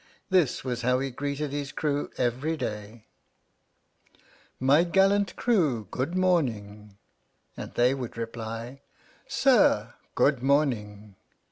This was how he greeted his crew every day : My gallant crew, good morning! And they would reply: Sir, good morning!